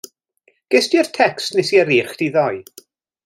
Gest ti'r tecst nesi yrru i chdi ddoe?